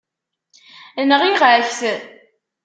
Nɣiɣ-ak-t.